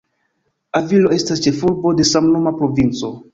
Avilo estas ĉefurbo de samnoma provinco.